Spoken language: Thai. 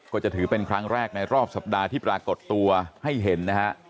ก็จะถือเป็นครั้งแรกในรอบสัปดาห์ที่ปรากฏตัวให้เห็นนะฮะ